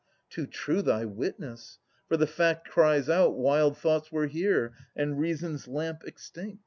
Too true thy witness : for the fact cries out Wild thoughts were here and Reason's lamp extinct.